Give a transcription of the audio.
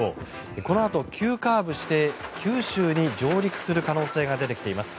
このあと急カーブして九州に上陸する可能性が出てきています。